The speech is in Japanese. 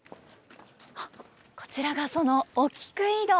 こちらがそのお菊井戸。